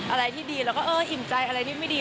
อะไรที่ดีเราก็เอออิ่มใจอะไรที่ไม่ดี